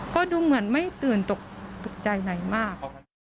ก็ดูเหมือนไม่ตื่นตกใจไหนมาก